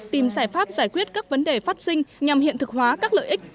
tìm giải pháp giải quyết các vấn đề phát sinh nhằm hiện thực hóa các lợi ích